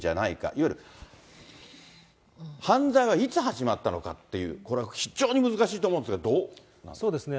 いわゆる犯罪はいつ始まったのかという、これは非常に難しいと思そうですね。